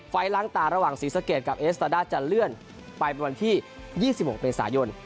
ล้างตาระหว่างศรีสะเกดกับเอสตาด้าจะเลื่อนไปเป็นวันที่๒๖เมษายน